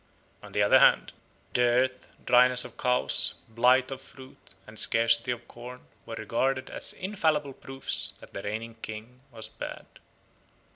On the other hand, dearth, dryness of cows, blight of fruit, and scarcity of corn were regarded as infallible proofs that the reigning king was bad.